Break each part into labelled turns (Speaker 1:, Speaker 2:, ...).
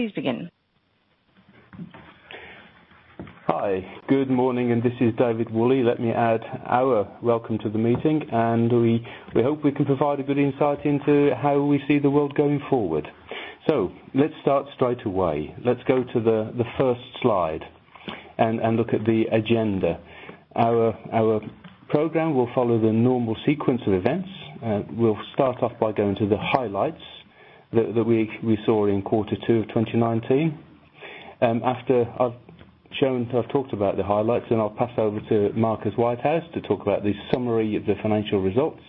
Speaker 1: Please begin.
Speaker 2: Hi, good morning. This is David Woolley. Let me add our welcome to the meeting, and we hope we can provide a good insight into how we see the world going forward. Let's start straight away. Let's go to the first slide and look at the agenda. Our program will follow the normal sequence of events. We'll start off by going to the highlights that we saw in quarter two of 2019. After I've talked about the highlights, then I'll pass over to Marcus Whitehouse to talk about the summary of the financial results.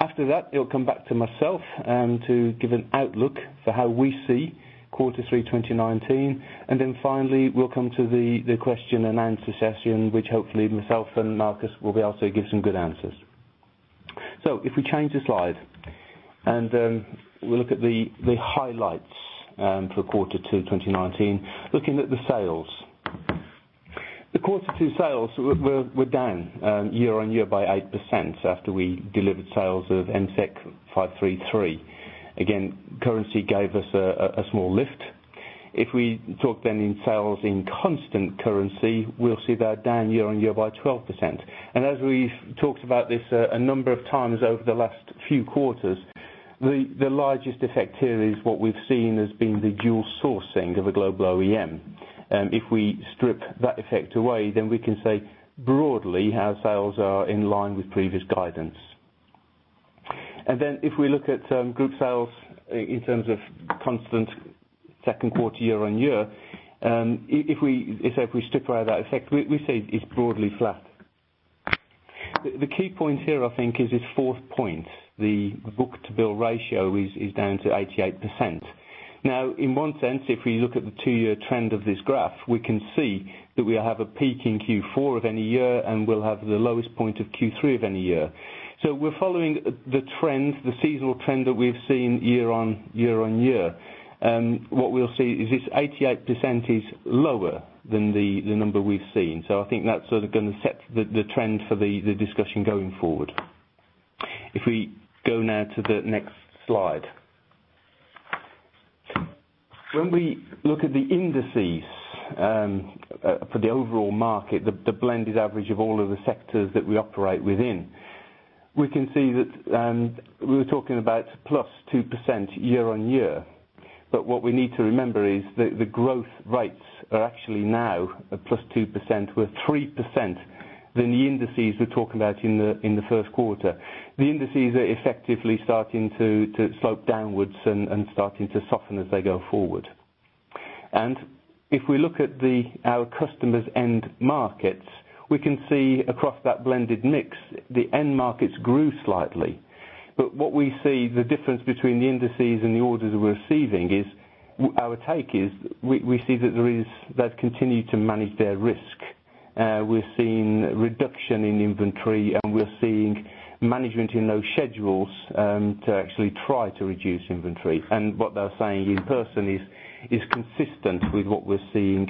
Speaker 2: After that, it'll come back to myself to give an outlook for how we see quarter three 2019, and then finally, we'll come to the question and answer session, which hopefully myself and Marcus will be able to give some good answers. If we change the slide, we look at the highlights for quarter two 2019. Looking at the sales. The quarter two sales were down year-on-year by 8% after we delivered sales of MSEK 533. Again, currency gave us a small lift. If we talk in sales in constant currency, we'll see they're down year-on-year by 12%. As we've talked about this a number of times over the last few quarters, the largest effect here is what we've seen as being the dual sourcing of a global OEM. If we strip that effect away, we can say broadly how sales are in line with previous guidance. If we look at group sales in terms of constant second quarter year-on-year, if we strip away that effect, we say it's broadly flat. The key point here I think is this fourth point, the book-to-bill ratio is down to 88%. In one sense, if we look at the 2-year trend of this graph, we can see that we have a peak in Q4 of any year, and we'll have the lowest point of Q3 of any year. We're following the trends, the seasonal trend that we've seen year-on-year. What we'll see is this 88% is lower than the number we've seen. I think that's going to set the trend for the discussion going forward. If we go now to the next slide. When we look at the indices for the overall market, the blended average of all of the sectors that we operate within, we can see that we were talking about +2% year-on-year. What we need to remember is the growth rates are actually now plus 2% or 3% than the indices we're talking about in the first quarter. The indices are effectively starting to slope downwards and starting to soften as they go forward. If we look at our customers end markets, we can see across that blended mix, the end markets grew slightly. What we see, the difference between the indices and the orders that we're receiving is, our take is, we see that they've continued to manage their risk. We're seeing reduction in inventory, and we're seeing management in those schedules to actually try to reduce inventory. What they're saying in person is consistent with what we're seeing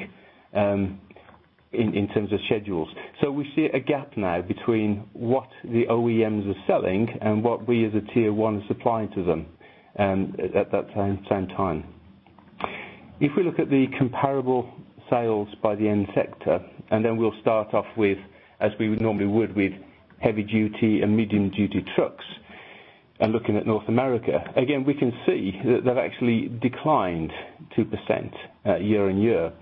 Speaker 2: in terms of schedules. We see a gap now between what the OEMs are selling and what we as a tier one supplier to them at that same time. If we look at the comparable sales by the end sector, and then we'll start off with, as we normally would, with heavy duty and medium duty trucks. Looking at North America, again, we can see that they've actually declined 2% year-on-year.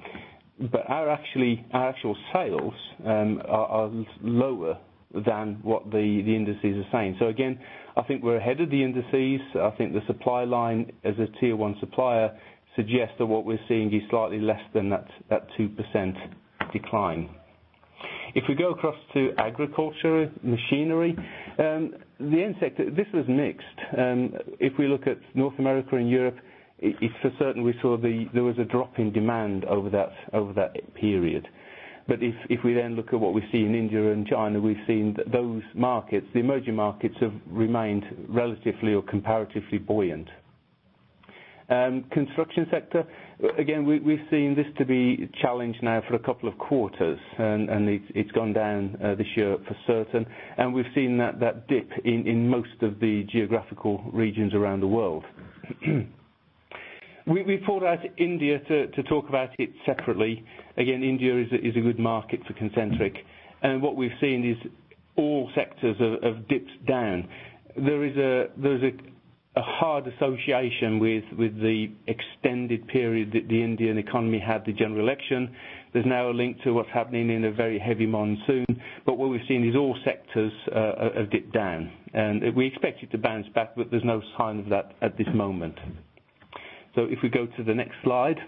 Speaker 2: Our actual sales are lower than what the indices are saying. Again, I think we're ahead of the indices. I think the supply line as a tier one supplier suggests that what we're seeing is slightly less than that 2% decline. If we go across to agriculture machinery, the end sector, this was mixed. If we look at North America and Europe, it's for certain we saw there was a drop in demand over that period. If we then look at what we see in India and China, we've seen that those markets, the emerging markets, have remained relatively or comparatively buoyant. Construction sector, again, we've seen this to be challenged now for a couple of quarters, and it's gone down this year for certain, and we've seen that dip in most of the geographical regions around the world. We pulled out India to talk about it separately. Again, India is a good market for Concentric, and what we've seen is all sectors have dipped down. There is a hard association with the extended period that the Indian economy had the general election. There's now a link to what's happening in a very heavy monsoon. What we've seen is all sectors have dipped down. We expect it to bounce back, but there's no sign of that at this moment. If we go to the next slide,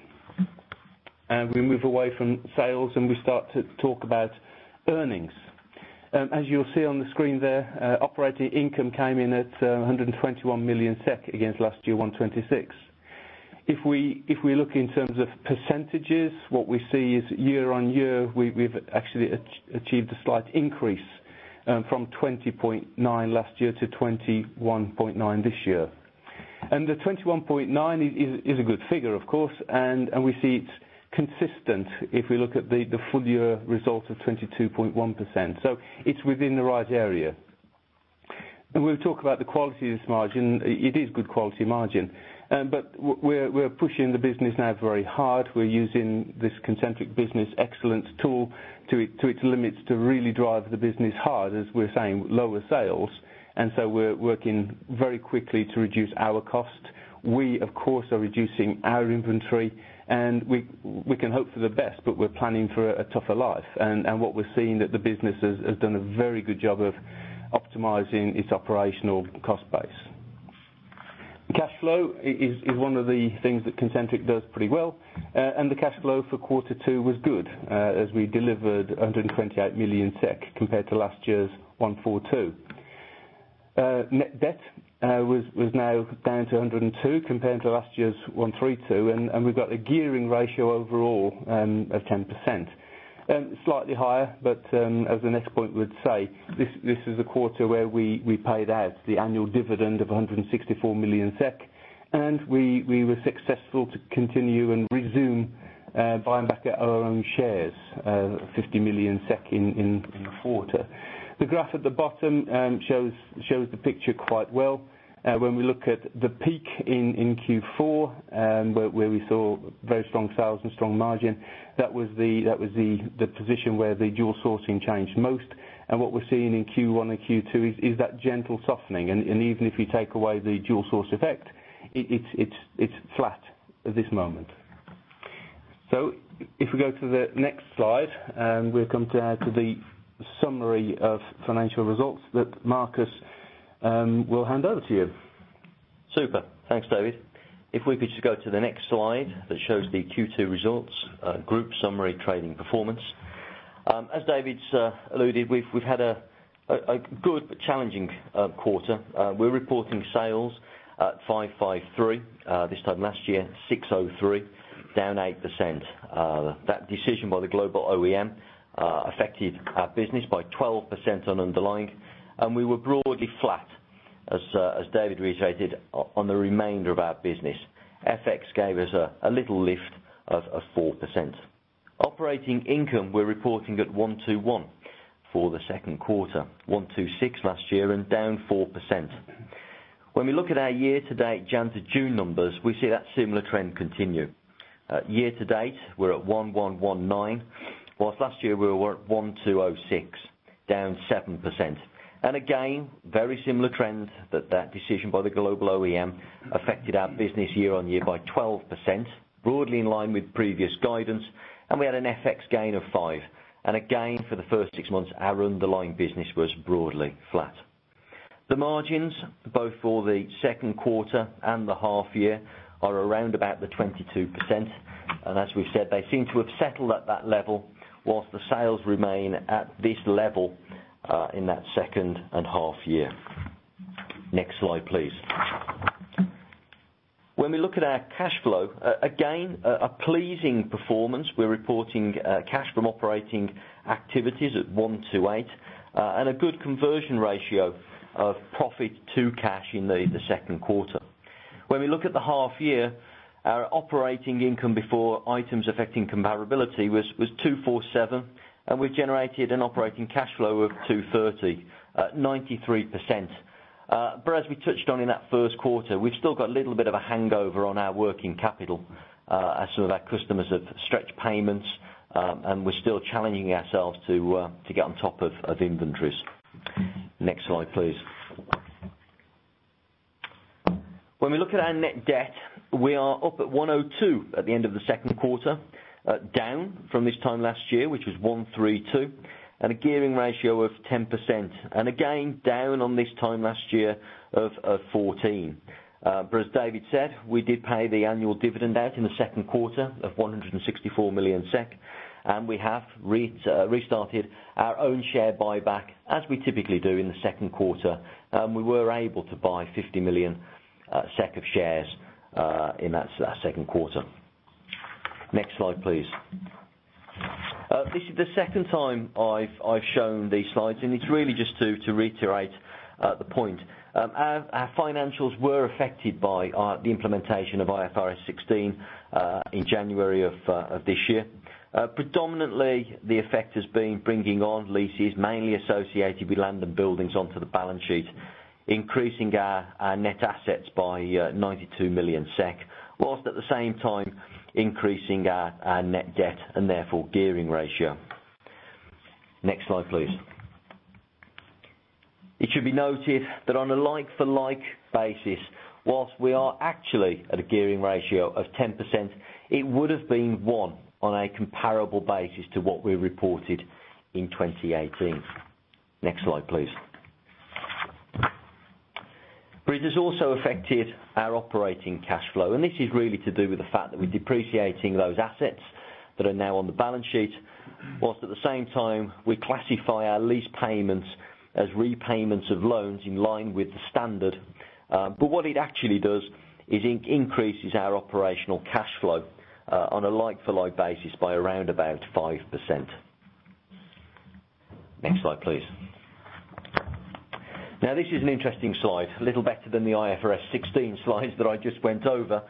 Speaker 2: we move away from sales and we start to talk about earnings. As you'll see on the screen there, Operating Income came in at 121 million SEK against last year, 126 million. If we look in terms of percentages, what we see is year-on-year, we've actually achieved a slight increase from 20.9% last year to 21.9% this year. The 21.9% is a good figure, of course, and we see it's consistent if we look at the full year result of 22.1%. It's within the right area. We'll talk about the quality of this margin. It is good quality margin. We're pushing the business now very hard. We're using this Concentric Business Excellence tool to its limits to really drive the business hard, as we're saying, lower sales. We're working very quickly to reduce our cost. We, of course, are reducing our inventory, and we can hope for the best, but we're planning for a tougher life. What we're seeing that the business has done a very good job of optimizing its operational cost base. Cash flow is one of the things that Concentric does pretty well. The cash flow for quarter two was good, as we delivered 128 million SEK compared to last year's 142 million. Net debt was now down to 102 compared to last year's 132, and we've got a gearing ratio overall of 10%. Slightly higher, but as the next point would say, this is a quarter where we paid out the annual dividend of 164 million SEK, and we were successful to continue and resume buying back our own shares, 50 million SEK in Q4. The graph at the bottom shows the picture quite well. When we look at the peak in Q4, where we saw very strong sales and strong margin, that was the position where the dual sourcing changed most. What we're seeing in Q1 and Q2 is that gentle softening. Even if you take away the dual source effect, it's flat at this moment. If we go to the next slide, we come now to the summary of financial results that Marcus, we'll hand over to you.
Speaker 3: Super. Thanks, David. If we could just go to the next slide that shows the Q2 results, group summary trading performance. As David's alluded, we've had a good but challenging quarter. We're reporting sales at 553 million this time last year, 603 million, down 8%. That decision by the global OEM affected our business by 12% on underlying, and we were broadly flat, as David reiterated, on the remainder of our business. FX gave us a little lift of 4%. Operating Income, we're reporting at 121 million for the second quarter, 126 million last year and down 4%. When we look at our year-to-date January to June numbers, we see that similar trend continue. Year to date, we're at 1,119 million, whilst last year we were at 1,206 million, down 7%. Again, very similar trends that decision by the global OEM affected our business year-over-year by 12%, broadly in line with previous guidance, and we had an FX gain of 5 million. Again, for the first six months, our underlying business was broadly flat. The margins, both for the second quarter and the half year, are around about the 22%. As we've said, they seem to have settled at that level, whilst the sales remain at this level in that second and half year. Next slide, please. When we look at our cash flow, again, a pleasing performance. We're reporting cash from operating activities at 128 million, and a good conversion ratio of profit to cash in the second quarter. When we look at the half year, our operating income before items affecting comparability was 247 million, and we generated an operating cash flow of 230 million at 93%. As we touched on in that first quarter, we've still got a little bit of a hangover on our working capital as some of our customers have stretched payments, and we're still challenging ourselves to get on top of inventories. Next slide, please. When we look at our net debt, we are up at 102 at the end of the second quarter, down from this time last year, which was 132, and a gearing ratio of 10%. Again, down on this time last year of 14. As David said, we did pay the annual dividend out in the second quarter of 164 million SEK, and we have restarted our own share buyback, as we typically do in the second quarter. We were able to buy 50 million SEK of shares in that second quarter. Next slide, please. This is the second time I've shown these slides, and it's really just to reiterate the point. Our financials were affected by the implementation of IFRS 16 in January of this year. Predominantly, the effect has been bringing on leases mainly associated with land and buildings onto the balance sheet, increasing our net assets by 92 million SEK, whilst at the same time increasing our net debt and therefore gearing ratio. Next slide, please. It should be noted that on a like for like basis, whilst we are actually at a gearing ratio of 10%, it would have been one on a comparable basis to what we reported in 2018. Next slide, please. It has also affected our operating cash flow, and this is really to do with the fact that we're depreciating those assets that are now on the balance sheet, whilst at the same time we classify our lease payments as repayments of loans in line with the standard. What it actually does is it increases our operational cash flow on a like for like basis by around about 5%. Next slide, please. This is an interesting slide, a little better than the IFRS 16 slides that I just went over.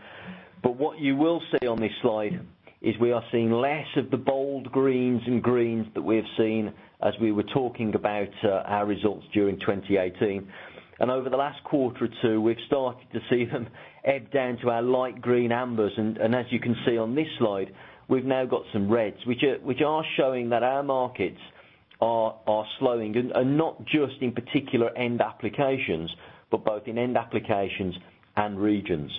Speaker 3: What you will see on this slide is we are seeing less of the bold greens and greens that we have seen as we were talking about our results during 2018. Over the last quarter or two, we've started to see them ebb down to our light green ambers. As you can see on this slide, we've now got some reds, which are showing that our markets are slowing, and not just in particular end applications, but both in end applications and regions.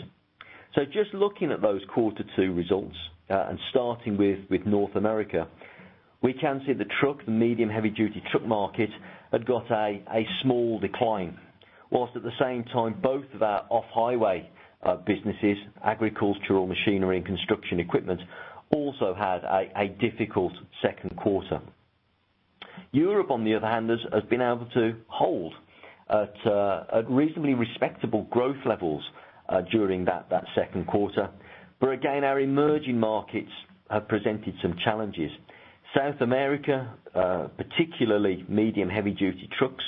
Speaker 3: Just looking at those quarter 2 results, and starting with North America, we can see the truck, the medium heavy duty truck market, had got a small decline, whilst at the same time, both of our off-highway businesses, agricultural machinery, and construction equipment, also had a difficult second quarter. Europe, on the other hand, has been able to hold at reasonably respectable growth levels during that second quarter. Again, our emerging markets have presented some challenges. South America, particularly medium heavy duty trucks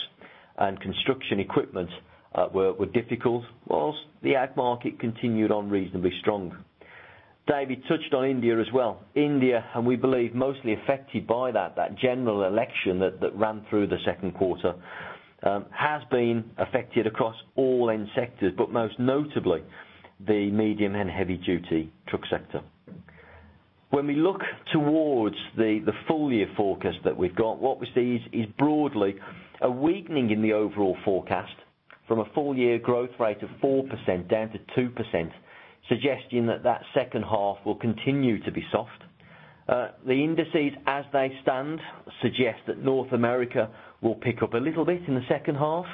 Speaker 3: and construction equipment, were difficult, whilst the ag market continued on reasonably strong. David touched on India as well. India, and we believe mostly affected by that general election that ran through the second quarter, has been affected across all end sectors, but most notably the medium and heavy duty truck sector. We look towards the full year forecast that we've got, what we see is broadly a weakening in the overall forecast from a full year growth rate of 4% down to 2%, suggesting that that second half will continue to be soft. The indices, as they stand, suggest that North America will pick up a little bit in the second half,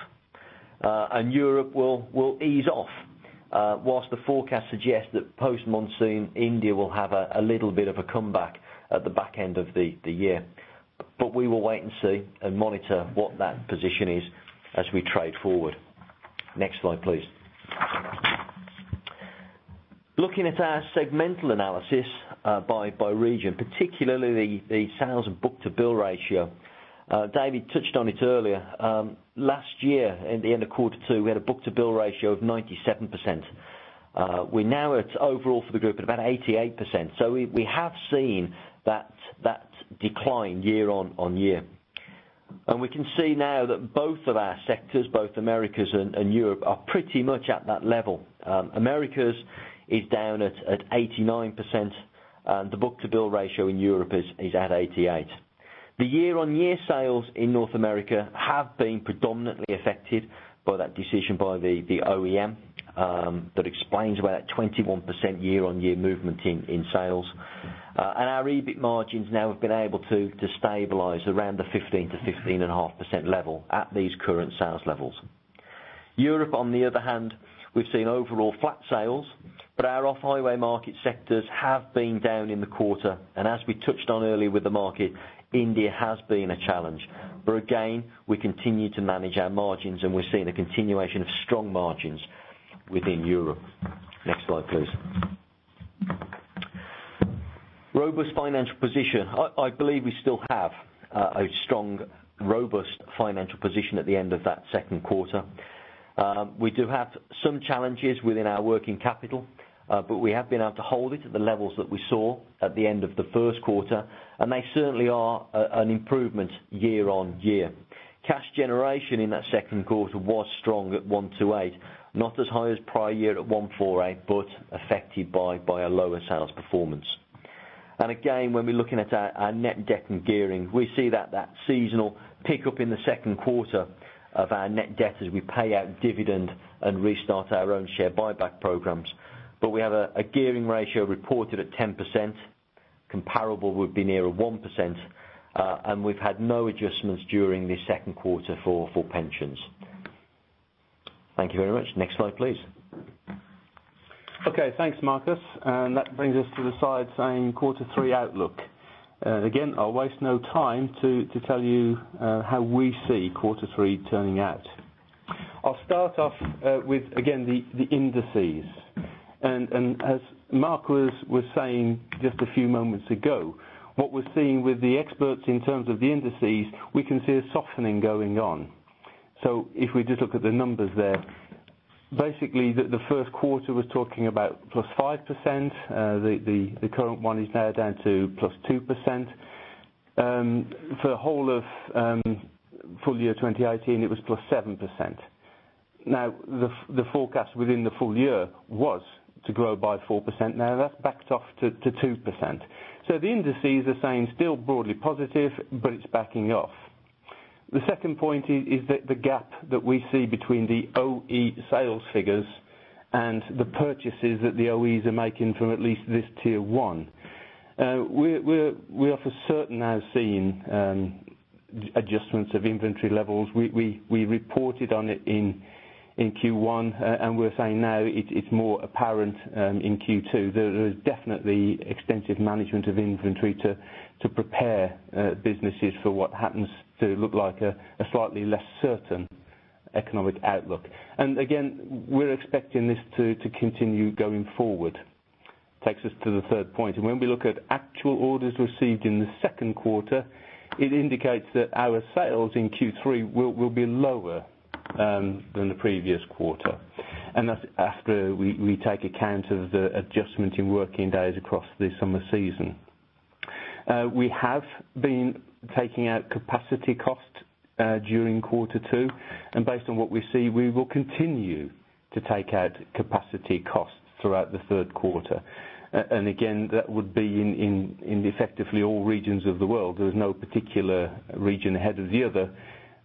Speaker 3: and Europe will ease off, whilst the forecast suggests that post-monsoon India will have a little bit of a comeback at the back end of the year. We will wait and see, and monitor what that position is as we trade forward. Next slide, please. Looking at our segmental analysis by region, particularly the sales and book-to-bill ratio. David touched on it earlier. Last year, at the end of quarter two, we had a book-to-bill ratio of 97%. We're now at, overall for the group, at about 88%. We have seen that decline year-over-year. We can see now that both of our sectors, both Americas and Europe, are pretty much at that level. Americas is down at 89%, and the book-to-bill ratio in Europe is at 88%. The year-over-year sales in North America have been predominantly affected by that decision by the OEM. That explains why that 21% year-over-year movement in sales. Our EBIT margins now have been able to stabilize around the 15%-15.5% level at these current sales levels. Europe, on the other hand, we've seen overall flat sales, but our off-highway market sectors have been down in the quarter. As we touched on earlier with the market, India has been a challenge, but again, we continue to manage our margins, and we're seeing a continuation of strong margins within Europe. Next slide, please. Robust financial position. I believe we still have a strong, robust financial position at the end of that second quarter. We do have some challenges within our working capital, but we have been able to hold it at the levels that we saw at the end of the first quarter, and they certainly are an improvement year-on-year. Cash generation in that second quarter was strong at 128 million, not as high as prior year at 148 million, but affected by a lower sales performance. Again, when we're looking at our net debt and gearing, we see that seasonal pickup in the second quarter of our net debt as we pay out dividend and restart our own share buyback programs. We have a gearing ratio reported at 10%, comparable would be nearer 1%, and we've had no adjustments during the second quarter for pensions. Thank you very much. Next slide, please.
Speaker 2: Okay. Thanks, Marcus. That brings us to the slide saying quarter three outlook. Again, I'll waste no time to tell you how we see quarter three turning out. I'll start off with, again, the indices. As Marcus was saying just a few moments ago, what we're seeing with the experts in terms of the indices, we can see a softening going on. If we just look at the numbers there, basically, the first quarter was talking about +5%. The current one is now down to +2%. For the whole of full year 2018, it was +7%. The forecast within the full year was to grow by 4%. That's backed off to 2%. The indices are saying still broadly positive, but it's backing off. The second point is that the gap that we see between the OE sales figures and the purchases that the OEs are making from at least this tier 1. We have for certain now seen adjustments of inventory levels. We reported on it in Q1. We're saying now it's more apparent in Q2. There is definitely extensive management of inventory to prepare businesses for what happens to look like a slightly less certain economic outlook. Again, we're expecting this to continue going forward. Takes us to the third point. When we look at actual orders received in the second quarter, it indicates that our sales in Q3 will be lower than the previous quarter. That's after we take account of the adjustment in working days across the summer season. We have been taking out capacity costs during quarter two, based on what we see, we will continue to take out capacity costs throughout the third quarter. Again, that would be in effectively all regions of the world. There's no particular region ahead of the other.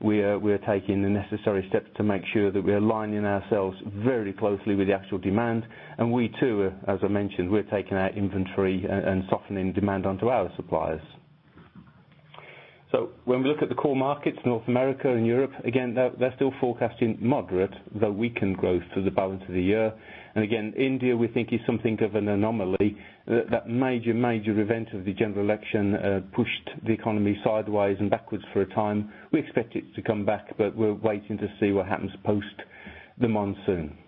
Speaker 2: We are taking the necessary steps to make sure that we are aligning ourselves very closely with the actual demand, we too, as I mentioned, we're taking out inventory and softening demand onto our suppliers. When we look at the core markets, North America and Europe, again, they're still forecasting moderate, though weakened growth for the balance of the year. Again, India, we think, is something of an anomaly. That major event of the general election pushed the economy sideways and backwards for a time. We're waiting to see what happens post the monsoon.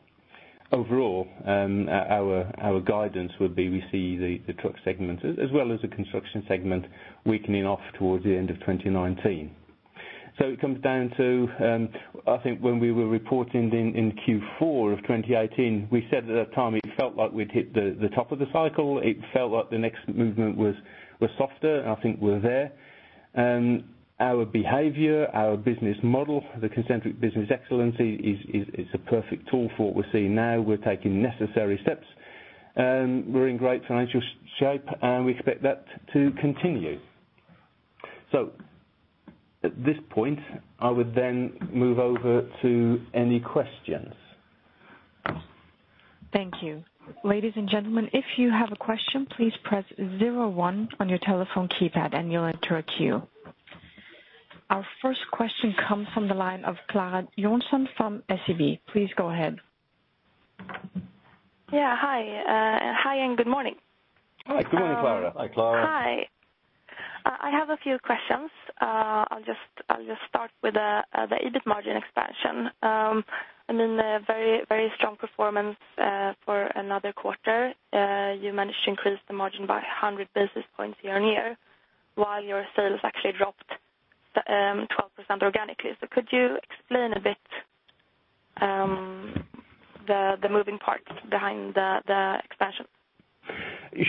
Speaker 2: Overall, our guidance would be, we see the truck segment, as well as the construction segment, weakening off towards the end of 2019. It comes down to, I think when we were reporting in Q4 of 2018, we said at that time it felt like we'd hit the top of the cycle. It felt like the next movement was softer, and I think we're there. Our behavior, our business model, the Concentric Business Excellence, it's a perfect tool for what we're seeing now. We're taking necessary steps. We're in great financial shape, and we expect that to continue. At this point, I would then move over to any questions.
Speaker 1: Thank you. Ladies and gentlemen, if you have a question, please press zero one on your telephone keypad and you'll enter a queue. Our first question comes from the line of Clara Johnson from SEB. Please go ahead.
Speaker 4: Yeah. Hi, and good morning.
Speaker 2: Good morning, Clara.
Speaker 3: Hi, Clara.
Speaker 4: Hi. I have a few questions. I'll just start with the EBIT margin expansion, and then the very strong performance for another quarter. You managed to increase the margin by 100 basis points year-on-year, while your sales actually dropped 12% organically. Could you explain a bit the moving parts behind the expansion?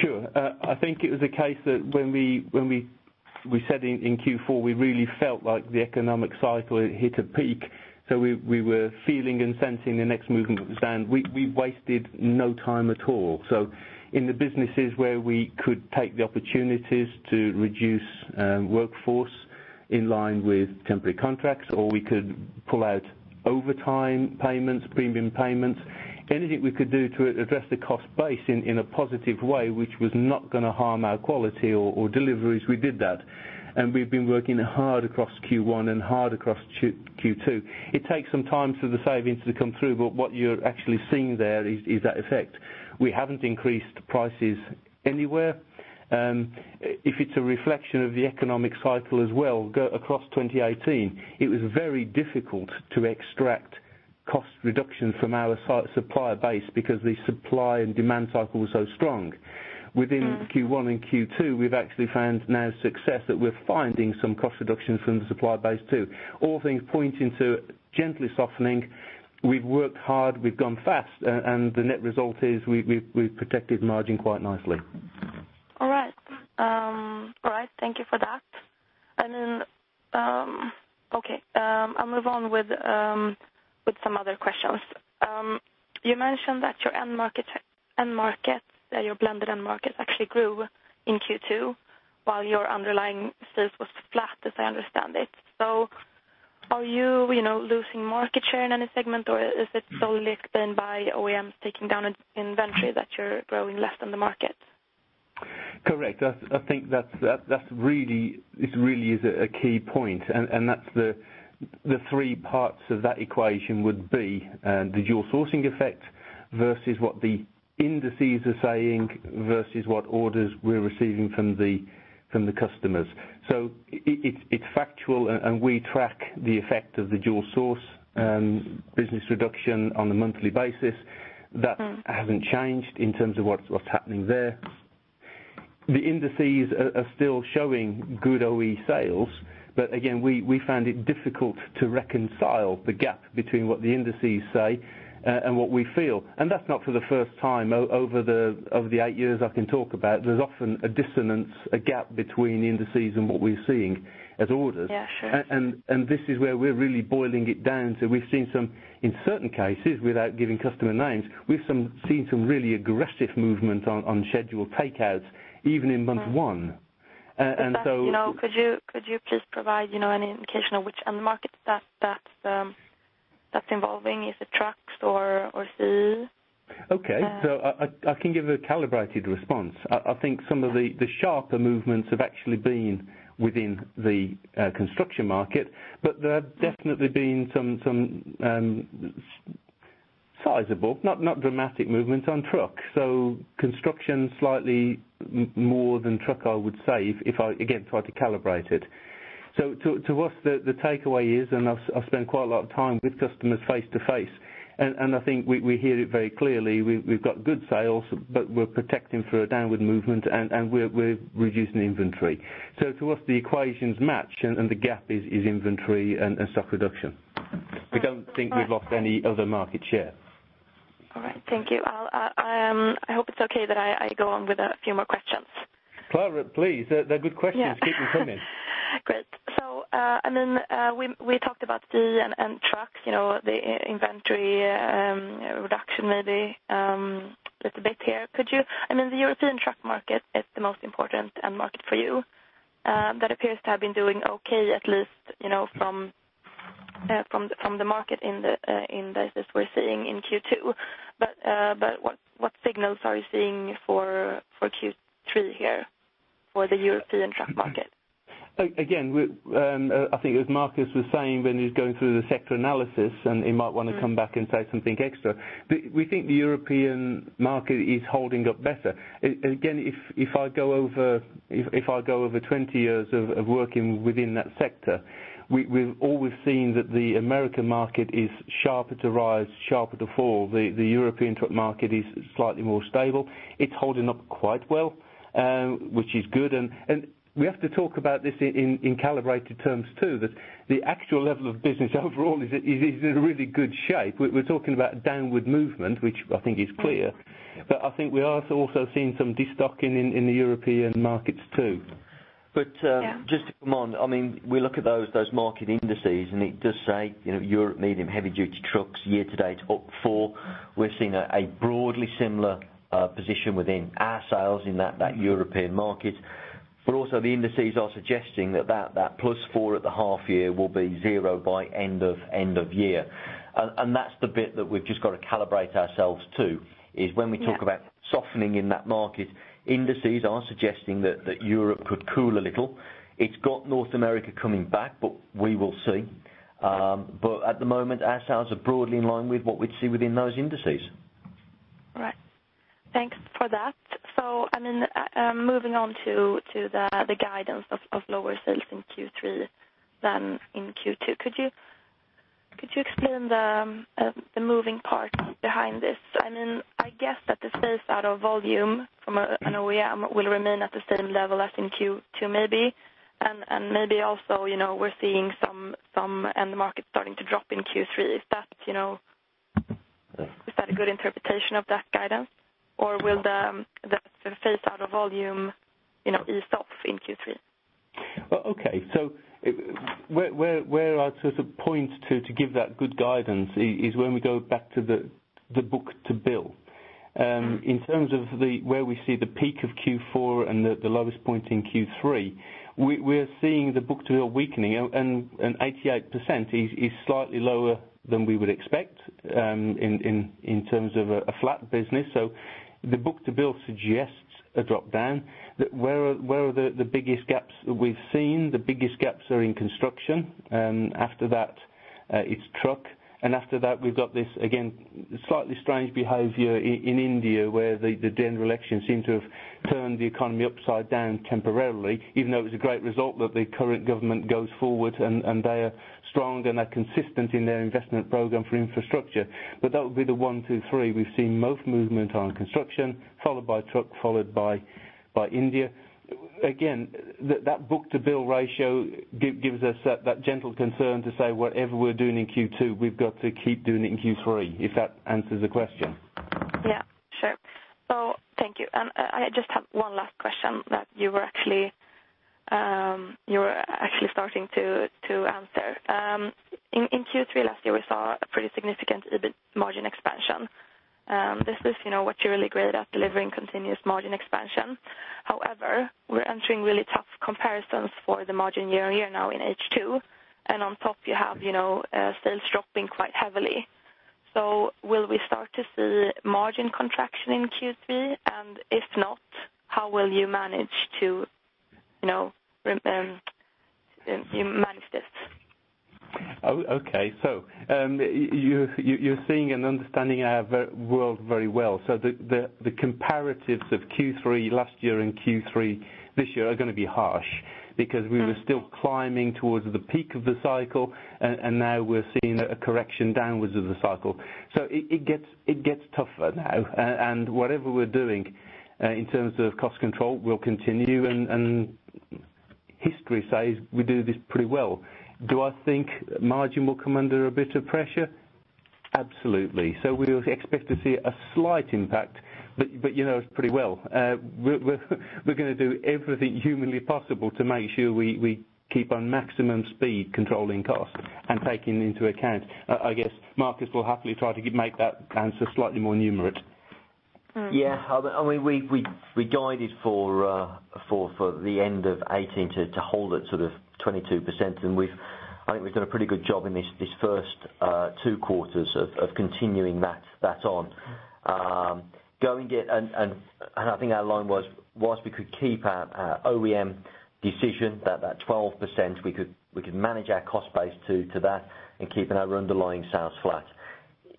Speaker 2: Sure. I think it was a case that when we said in Q4, we really felt like the economic cycle hit a peak, so we were feeling and sensing the next movement was down. We wasted no time at all. In the businesses where we could take the opportunities to reduce workforce in line with temporary contracts, or we could pull out overtime payments, premium payments, anything we could do to address the cost base in a positive way, which was not going to harm our quality or deliveries, we did that. We've been working hard across Q1 and hard across Q2. It takes some time for the savings to come through, but what you're actually seeing there is that effect. We haven't increased prices anywhere. If it's a reflection of the economic cycle as well, go across 2018, it was very difficult to extract cost reductions from our supplier base because the supply and demand cycle was so strong. Within Q1 and Q2, we've actually found now success that we're finding some cost reductions from the supplier base too. All things pointing to gently softening. We've worked hard, we've gone fast, and the net result is we've protected margin quite nicely.
Speaker 4: All right. Thank you for that. Okay. I'll move on with some other questions. You mentioned that your end markets, your blended end markets actually grew in Q2 while your underlying sales was flat, as I understand it. Are you losing market share in any segment, or is it solely explained by OEMs taking down inventory that you're growing less than the market?
Speaker 2: Correct. I think that really is a key point, and the three parts of that equation would be the dual sourcing effect versus what the indices are saying, versus what orders we're receiving from the customers. It's factual, and we track the effect of the dual source business reduction on a monthly basis. That hasn't changed in terms of what's happening there. The indices are still showing good OE sales. Again, we found it difficult to reconcile the gap between what the indices say and what we feel. That's not for the first time. Over the eight years I can talk about, there's often a dissonance, a gap between indices and what we're seeing as orders.
Speaker 4: Yeah, sure.
Speaker 2: This is where we're really boiling it down. We've seen some, in certain cases, without giving customer names, we've seen some really aggressive movement on scheduled takeouts even in month one.
Speaker 4: Could you please provide any indication of which end market that's involving? Is it trucks or CE?
Speaker 2: Okay. I can give a calibrated response. I think some of the sharper movements have actually been within the construction market, but there have definitely been some sizable, not dramatic movements on truck. Construction slightly more than truck, I would say, if I had to calibrate it. To us, the takeaway is, I've spent quite a lot of time with customers face to face. I think we hear it very clearly. We've got good sales, but we're protecting for a downward movement and we're reducing inventory. To us, the equations match and the gap is inventory and stock reduction.
Speaker 4: Right.
Speaker 2: We don't think we've lost any other market share.
Speaker 4: All right. Thank you. I hope it's okay that I go on with a few more questions.
Speaker 2: Clara, please. They're good questions.
Speaker 4: Yeah.
Speaker 2: Keep them coming.
Speaker 4: Great. We talked about the end trucks, the inventory reduction maybe just a bit here. The European truck market is the most important end market for you. That appears to have been doing okay, at least from the market indices we are seeing in Q2. What signals are you seeing for Q3 here for the European truck market?
Speaker 2: Again, I think as Marcus was saying when he was going through the sector analysis, he might want to come back and say something extra, we think the European market is holding up better. Again, if I go over 20 years of working within that sector, we've always seen that the American market is sharper to rise, sharper to fall. The European truck market is slightly more stable. It's holding up quite well, which is good. We have to talk about this in calibrated terms too, that the actual level of business overall is in really good shape. We're talking about downward movement, which I think is clear, I think we are also seeing some de-stocking in the European markets too.
Speaker 4: Yeah.
Speaker 3: Just to come on, we look at those market indices, and it does say Europe medium, heavy-duty trucks year-to-date up 4%. We are seeing a broadly similar position within our sales in that European market, also the indices are suggesting that that +4% at the half-year will be 0% by end of year. That's the bit that we've just got to calibrate ourselves to, is when we talk about softening in that market, indices are suggesting that Europe could cool a little. It's got North America coming back, we will see. At the moment, our sales are broadly in line with what we'd see within those indices.
Speaker 4: Right. Thanks for that. Moving on to the guidance of lower sales in Q3 than in Q2. Could you explain the moving part behind this? I guess that the phase out of volume from an OEM will remain at the same level as in Q2 maybe, and maybe also, we're seeing some end markets starting to drop in Q3. Is that a good interpretation of that guidance, or will the phase out of volume ease off in Q3?
Speaker 2: Okay. Where I sort of point to give that good guidance is when we go back to the book-to-bill. In terms of where we see the peak of Q4 and the lowest point in Q3, we are seeing the book-to-bill weakening and 88% is slightly lower than we would expect in terms of a flat business. The book-to-bill suggests a drop down. Where are the biggest gaps that we've seen? The biggest gaps are in construction, after that it's truck, and after that we've got this, again, slightly strange behavior in India where the general election seemed to have turned the economy upside down temporarily, even though it was a great result that the current government goes forward and they are strong and are consistent in their investment program for infrastructure. That would be the one, two, three. We've seen most movement on construction, followed by truck, followed by India. Again, that book-to-bill ratio gives us that gentle concern to say whatever we're doing in Q2, we've got to keep doing it in Q3, if that answers the question.
Speaker 4: Yeah, sure. Thank you. I just have one last question that you were actually starting to answer. In Q3 last year, we saw a pretty significant EBIT margin expansion. This is what you're really great at, delivering continuous margin expansion. However, we are entering really tough comparisons for the margin year-over-year now in H2, and on top you have sales dropping quite heavily. Will we start to see margin contraction in Q3? If not, how will you manage this?
Speaker 2: Okay. You're seeing and understanding our world very well. The comparatives of Q3 last year and Q3 this year are going to be harsh because we were still climbing towards the peak of the cycle and now we are seeing a correction downwards of the cycle. It gets tougher now. Whatever we're doing in terms of cost control will continue, and history says we do this pretty well. Do I think margin will come under a bit of pressure? Absolutely. We will expect to see a slight impact, but you know us pretty well. We're going to do everything humanly possible to make sure we keep on maximum speed controlling costs and taking into account. I guess Marcus will happily try to make that answer slightly more numerate.
Speaker 3: Yeah. We guided for the end of 2018 to hold at sort of 22%, I think we've done a pretty good job in these first two quarters of continuing that on. I think our line was whilst we could keep our OEM decision, that 12%, we could manage our cost base to that and keeping our underlying sales flat.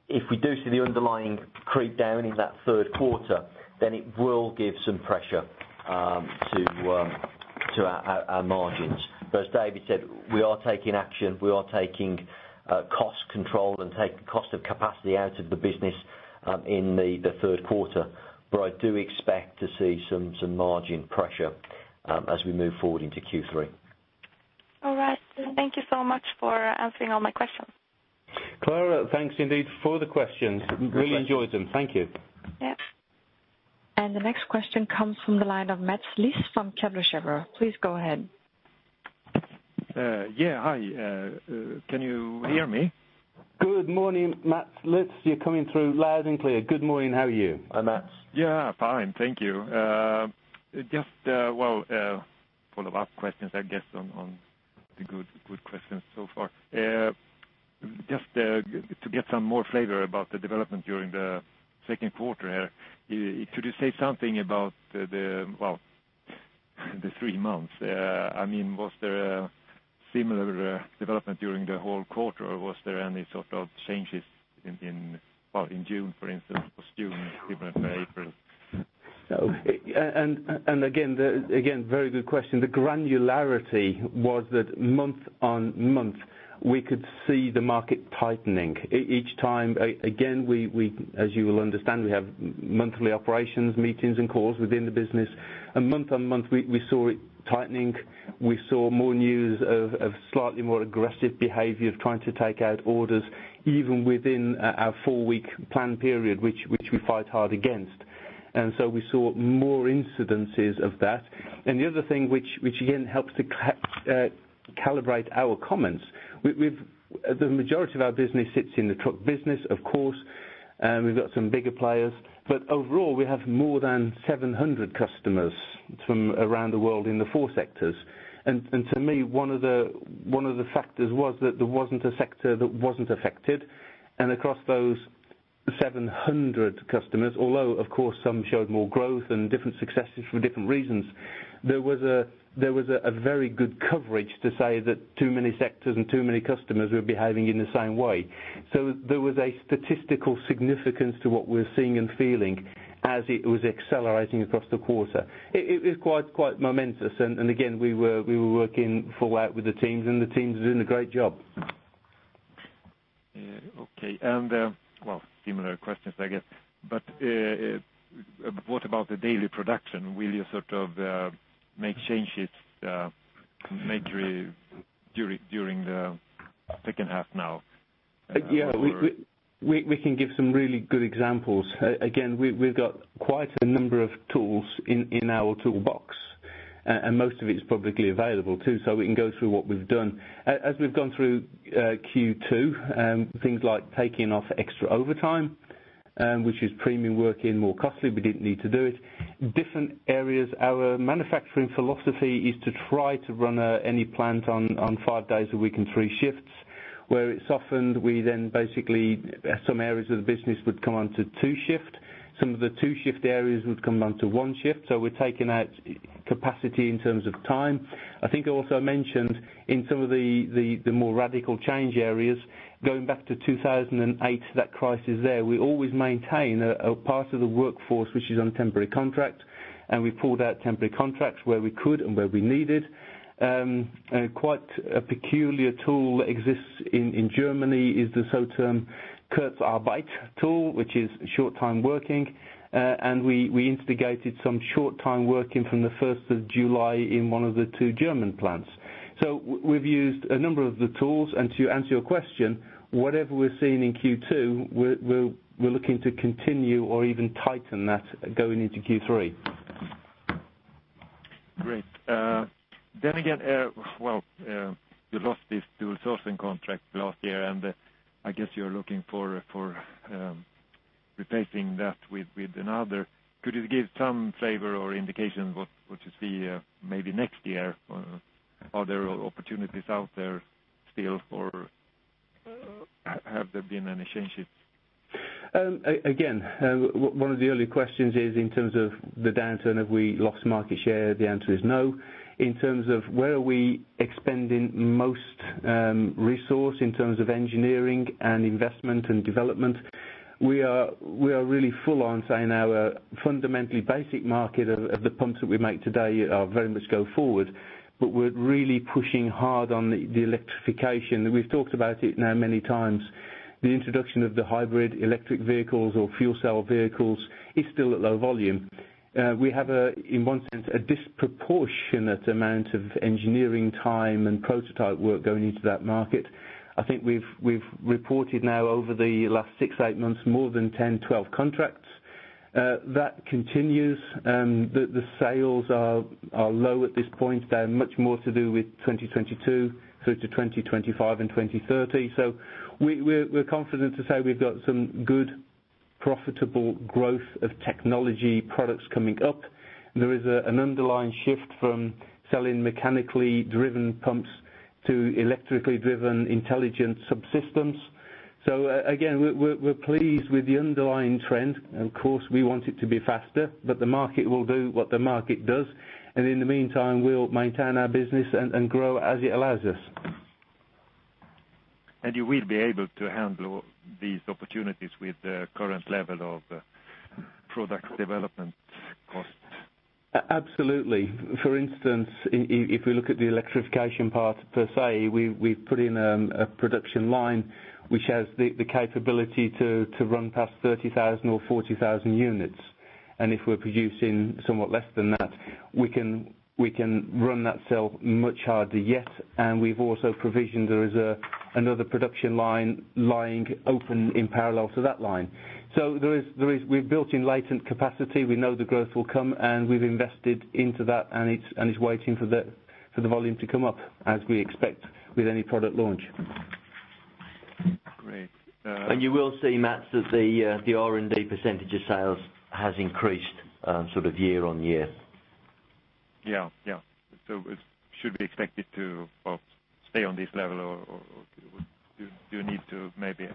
Speaker 3: If we do see the underlying creep down in that third quarter, it will give some pressure to our margins. As David said, we are taking action. We are taking cost control and taking cost of capacity out of the business in the third quarter. I do expect to see some margin pressure as we move forward into Q3.
Speaker 4: All right. Thank you so much for answering all my questions.
Speaker 3: Clara, thanks indeed for the questions. Really enjoyed them. Thank you.
Speaker 4: Yep.
Speaker 1: The next question comes from the line of Mats Liss from Kepler Cheuvreux. Please go ahead.
Speaker 5: Yeah. Hi, can you hear me?
Speaker 3: Good morning, Mats Liss. You're coming through loud and clear. Good morning. How are you? Hi, Mats.
Speaker 5: Yeah, fine. Thank you. Just a follow-up question, I guess, on the good questions so far. Just to get some more flavor about the development during the second quarter. Could you say something about the three months? I mean, was there a similar development during the whole quarter, or was there any sort of changes in June, for instance? Was June different from April?
Speaker 3: Again, very good question. The granularity was that month on month, we could see the market tightening. Each time, again, as you will understand, we have monthly operations meetings and calls within the business. Month on month, we saw it tightening. We saw more news of slightly more aggressive behavior of trying to take out orders even within our four-week plan period, which we fight hard against. We saw more incidences of that. The other thing which again helps to calibrate our comments, the majority of our business sits in the truck business, of course, we've got some bigger players. Overall, we have more than 700 customers from around the world in the four sectors. To me, one of the factors was that there wasn't a sector that wasn't affected. Across those 700 customers, although, of course, some showed more growth and different successes for different reasons, there was a very good coverage to say that too many sectors and too many customers were behaving in the same way. There was a statistical significance to what we're seeing and feeling as it was accelerating across the quarter. It was quite momentous, and again, we were working full out with the teams, and the teams are doing a great job.
Speaker 5: Okay. Well, similar questions, I guess. What about the daily production? Will you make changes majorly during the second half now?
Speaker 3: Yeah. We can give some really good examples. Again, we've got quite a number of tools in our toolbox, and most of it is publicly available too, so we can go through what we've done. As we've gone through Q2, things like taking off extra overtime, which is premium working, more costly, we didn't need to do it. Different areas, our manufacturing philosophy is to try to run any plant on five days a week and three shifts. Where it softened, we then basically, some areas of the business would come on to two shift. Some of the two shift areas would come on to one shift. We're taking out capacity in terms of time. I think I also mentioned in some of the more radical change areas, going back to 2008, that crisis there, we always maintain a part of the workforce which is on temporary contract, and we pulled out temporary contracts where we could and where we needed. Quite a peculiar tool exists in Germany, is the so-term Kurzarbeit tool, which is short-time working. We instigated some short-time working from the 1st of July in one of the two German plants. We've used a number of the tools. To answer your question, whatever we're seeing in Q2, we're looking to continue or even tighten that going into Q3.
Speaker 5: Great. Again, you lost this dual sourcing contract last year, and I guess you're looking for replacing that with another. Could you give some flavor or indication what you see maybe next year? Are there opportunities out there still, or have there been any changes?
Speaker 3: One of the early questions is in terms of the downturn, have we lost market share? The answer is no. In terms of where are we expending most resource, in terms of engineering and investment and development, we are really full on saying our fundamentally basic market of the pumps that we make today are very much go forward. We're really pushing hard on the electrification. We've talked about it now many times. The introduction of the hybrid electric vehicles or fuel cell vehicles is still at low volume. We have, in one sense, a disproportionate amount of engineering time and prototype work going into that market. I think we've reported now over the last six, eight months, more than 10, 12 contracts. That continues. The sales are low at this point. They're much more to do with 2022 through to 2025 and 2030. We're confident to say we've got some good profitable growth of technology products coming up. There is an underlying shift from selling mechanically driven pumps to electrically driven intelligent subsystems. Again, we're pleased with the underlying trend. Of course, we want it to be faster, but the market will do what the market does. In the meantime, we'll maintain our business and grow as it allows us.
Speaker 5: You will be able to handle these opportunities with the current level of product development costs?
Speaker 2: Absolutely. For instance, if we look at the electrification part per se, we put in a production line which has the capability to run past 30,000 or 40,000 units. If we're producing somewhat less than that, we can run that sale much harder yet. We've also provisioned, there is another production line lying open in parallel to that line. We've built in latent capacity. We know the growth will come, and we've invested into that, and it's waiting for the volume to come up, as we expect with any product launch.
Speaker 5: Great.
Speaker 3: You will see, Mats, that the R&D percentage of sales has increased year-on-year.
Speaker 5: Yeah. It should be expected to stay on this level, or do you need to maybe-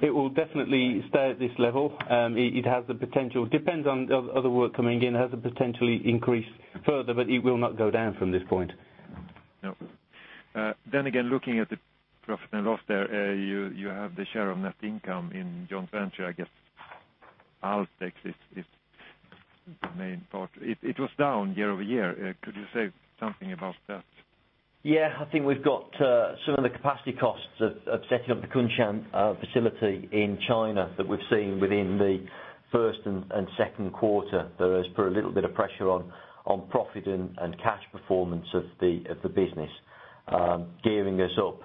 Speaker 2: It will definitely stay at this level. It has the potential. Depends on other work coming in, has the potential increase further, but it will not go down from this point.
Speaker 5: No. Again, looking at the profit and loss there, you have the share of net income in joint venture, I guess, Alfdex is the main part. It was down year-over-year. Could you say something about that?
Speaker 3: Yeah. I think we've got some of the capacity costs of setting up the Kunshan facility in China that we're seeing within the first and second quarter. That has put a little bit of pressure on profit and cash performance of the business, gearing us up.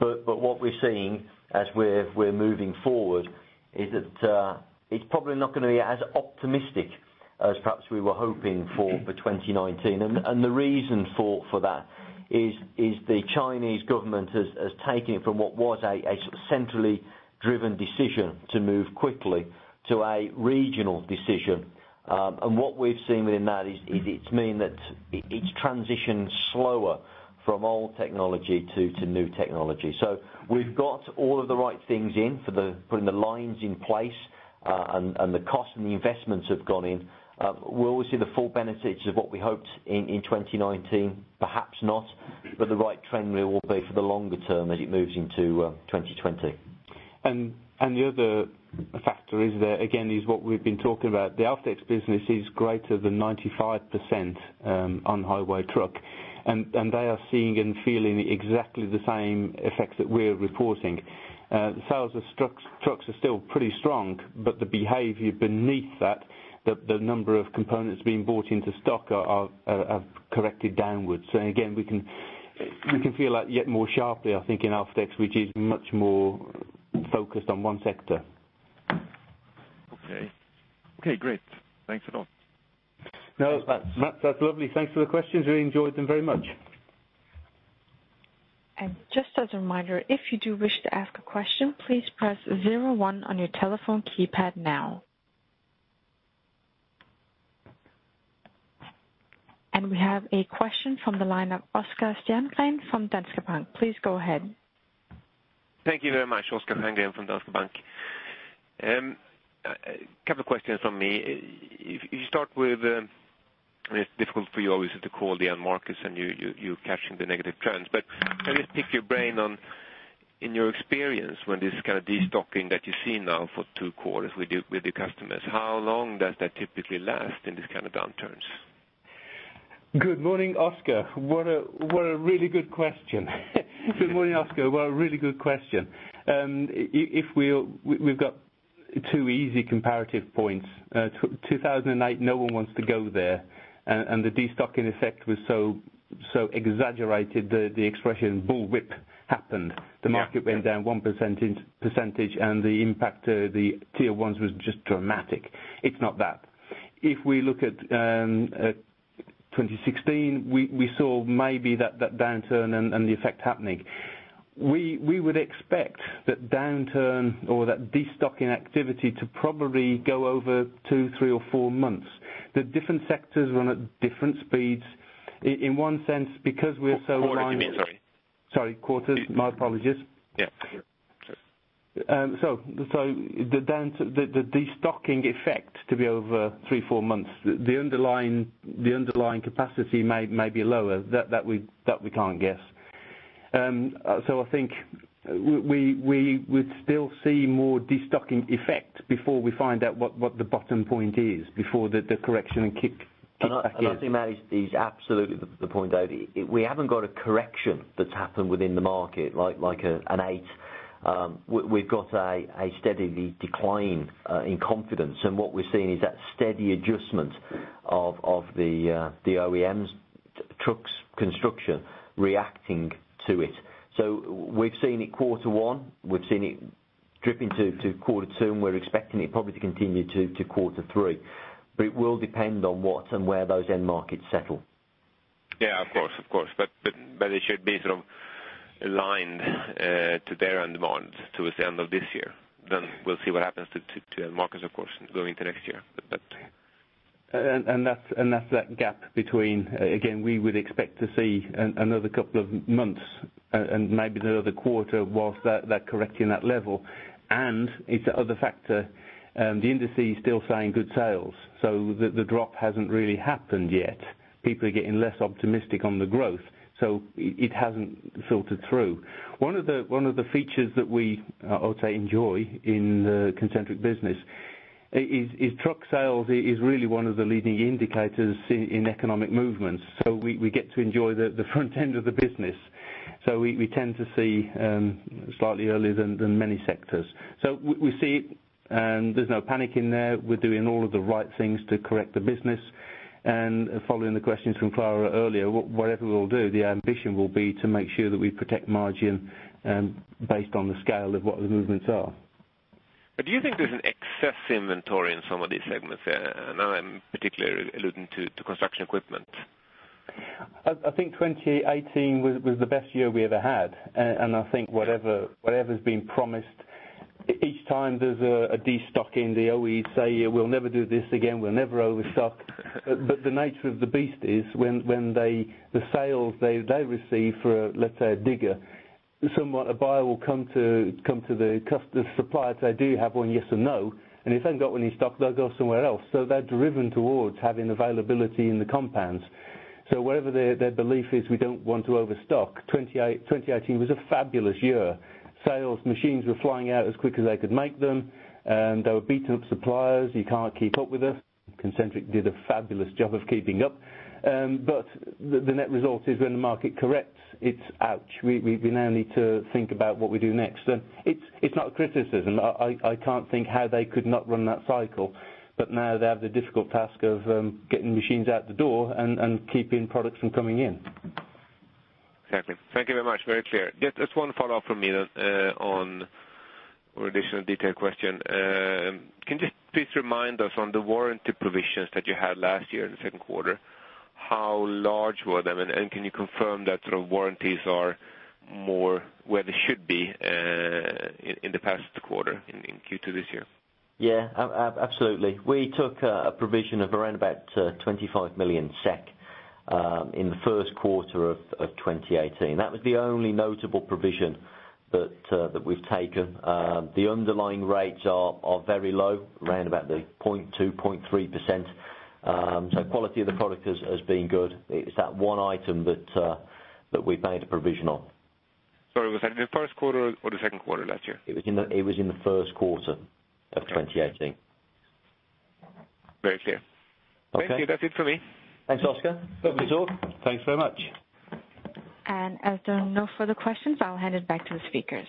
Speaker 3: What we're seeing as we're moving forward is that it's probably not going to be as optimistic as perhaps we were hoping for 2019. The reason for that is the Chinese Government has taken it from what was a centrally driven decision to move quickly to a regional decision. What we've seen within that is it's meant that it's transitioned slower from old technology to new technology. We've got all of the right things in for putting the lines in place, and the cost and the investments have gone in. Will we see the full benefits of what we hoped in 2019? Perhaps not. The right trend will be for the longer term as it moves into 2020.
Speaker 2: The other factor is that, again, is what we've been talking about. The Alfdex business is greater than 95% on highway truck. They are seeing and feeling exactly the same effects that we're reporting. Sales of trucks are still pretty strong, but the behavior beneath that, the number of components being bought into stock have corrected downwards. Again, we can feel that yet more sharply, I think, in Alfdex, which is much more focused on one sector.
Speaker 5: Okay. Okay, great. Thanks a lot.
Speaker 2: No, Mats, that's lovely. Thanks for the questions. Really enjoyed them very much.
Speaker 1: Just as a reminder, if you do wish to ask a question, please press zero one on your telephone keypad now. We have a question from the line of Oscar Stjerngren from Danske Bank. Please go ahead.
Speaker 6: Thank you very much, Oscar Stjerngren from Danske Bank. Couple of questions from me. If you start with, it's difficult for you, obviously, to call the end markets and you're catching the negative trends. Can I just pick your brain on, in your experience, when this kind of destocking that you're seeing now for two quarters with your customers, how long does that typically last in these kind of downturns?
Speaker 2: Good morning, Oscar. What a really good question. We've got two easy comparative points. 2008, no one wants to go there. The destocking effect was so exaggerated that the expression bullwhip happened.
Speaker 6: Yeah.
Speaker 2: The market went down 1% percentage, and the impact to the tier 1s was just dramatic. It's not that. If we look at 2016, we saw maybe that downturn and the effect happening. We would expect that downturn or that destocking activity to probably go over two, three, or four months. The different sectors run at different speeds. In one sense, because we are so aligned.
Speaker 6: Quarters, you mean? Sorry.
Speaker 2: Sorry, quarters. My apologies.
Speaker 6: Yeah, sure.
Speaker 2: The destocking effect to be over three, four months. The underlying capacity may be lower. That we can't guess. I think we would still see more destocking effect before we find out what the bottom point is, before the correction kicks back in.
Speaker 3: I think, Mats, it's absolutely the point, David. We haven't got a correction that's happened within the market like an eight. We've got a steady decline in confidence, and what we're seeing is that steady adjustment of the OEMs, trucks, construction reacting to it. We've seen it quarter one, we've seen it dripping to quarter two, and we're expecting it probably to continue to quarter three. It will depend on what and where those end markets settle.
Speaker 6: Yeah, of course. It should be sort of aligned to their end demands towards the end of this year, then we'll see what happens to end markets, of course, going into next year.
Speaker 2: That's that gap between, again, we would expect to see another couple of months and maybe another quarter whilst that correcting that level. It's the other factor, the indices still saying good sales, so the drop hasn't really happened yet. People are getting less optimistic on the growth, so it hasn't filtered through. One of the features that we, I would say, enjoy in the Concentric business is truck sales is really one of the leading indicators in economic movements. We get to enjoy the front end of the business. We tend to see slightly earlier than many sectors. We see it, and there's no panic in there. We're doing all of the right things to correct the business. Following the questions from Clara earlier, whatever we'll do, the ambition will be to make sure that we protect margin based on the scale of what the movements are.
Speaker 6: Do you think there's an excess inventory in some of these segments? I'm particularly alluding to construction equipment.
Speaker 2: I think 2018 was the best year we ever had. I think whatever's been promised, each time there's a de-stocking, they always say, "We'll never do this again. We'll never overstock." The nature of the beast is, when the sales they receive for, let's say, a digger, a buyer will come to the supplier and say, "Do you have one, yes or no?" If they haven't got one in stock, they'll go somewhere else. They're driven towards having availability in the compounds. Whatever their belief is, we don't want to overstock. 2018 was a fabulous year. Sales machines were flying out as quick as they could make them. They were beating up suppliers. You can't keep up with us. Concentric did a fabulous job of keeping up. The net result is when the market corrects, it's ouch. We now need to think about what we do next. It's not a criticism. I can't think how they could not run that cycle. Now they have the difficult task of getting machines out the door and keeping products from coming in.
Speaker 6: Exactly. Thank you very much. Very clear. Just one follow-up from me then on, or additional detail question. Can you just please remind us on the warranty provisions that you had last year in the second quarter, how large were them? Can you confirm that sort of warranties are more where they should be in the past quarter, in Q2 this year?
Speaker 3: Yeah. Absolutely. We took a provision of around about 25 million SEK in the first quarter of 2018. That was the only notable provision that we've taken. The underlying rates are very low, around about the 0.2%, 0.3%. The quality of the product has been good. It's that one item that we've made a provision on.
Speaker 6: Sorry, was that in the first quarter or the second quarter last year?
Speaker 3: It was in the first quarter of 2018.
Speaker 6: Very clear.
Speaker 3: Okay.
Speaker 6: Thank you. That's it for me.
Speaker 3: Thanks, Oscar.
Speaker 2: Lovely talk. Thanks very much.
Speaker 1: As there are no further questions, I'll hand it back to the speakers.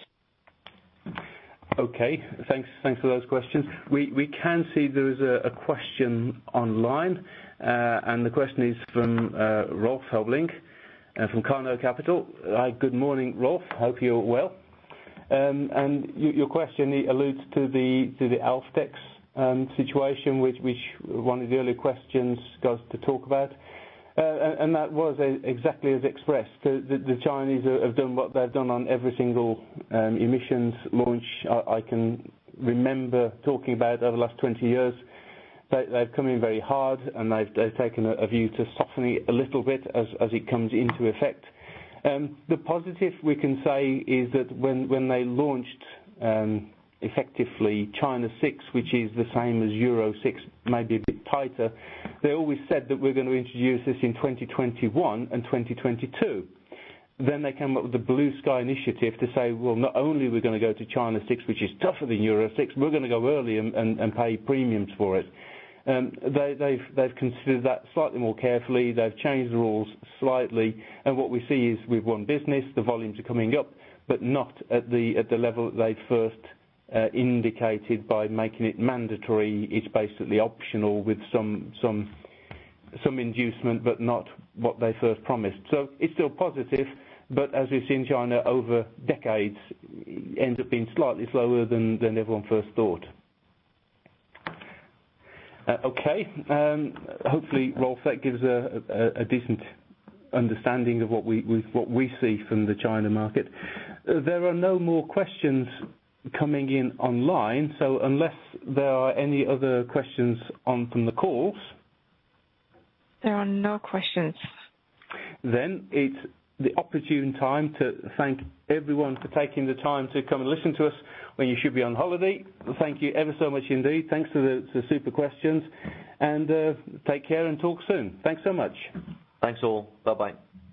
Speaker 2: Okay, thanks for those questions. We can see there is a question online, and the question is from Rolf Helbling from Carnot Capital. Good morning, Rolf. Hope you're well. Your question, it alludes to the Alfdex situation, which one of the earlier questions goes to talk about. That was exactly as expressed. The Chinese have done what they've done on every single emissions launch I can remember talking about over the last 20 years. They've come in very hard, and they've taken a view to softening it a little bit as it comes into effect. The positive we can say is that when they launched effectively China VI, which is the same as Euro 6, maybe a bit tighter, they always said that we're going to introduce this in 2021 and 2022. They came up with the Blue Sky Initiative to say, "Well, not only are we going to go to China VI, which is tougher than Euro 6, we're going to go early and pay premiums for it." They've considered that slightly more carefully. They've changed the rules slightly. What we see is we've won business. The volumes are coming up, but not at the level that they first indicated by making it mandatory. It's basically optional with some inducement, but not what they first promised. It's still positive, but as we've seen China over decades, ends up being slightly slower than everyone first thought. Okay. Hopefully, Rolf, that gives a decent understanding of what we see from the China market. There are no more questions coming in online, so unless there are any other questions on from the calls.
Speaker 1: There are no questions.
Speaker 2: It's the opportune time to thank everyone for taking the time to come and listen to us when you should be on holiday. Thank you ever so much indeed. Thanks for the super questions, and take care and talk soon. Thanks so much.
Speaker 3: Thanks all. Bye-bye.